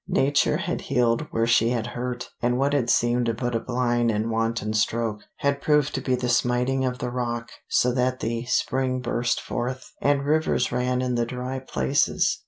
Nature had healed where she had hurt, and what had seemed but a blind and wanton stroke, had proved to be the smiting of the rock, so that the spring burst forth, and rivers ran in the dry places.